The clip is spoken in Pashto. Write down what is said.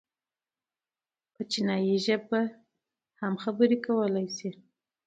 پر چينايي ژبې هم خبرې کولی شي.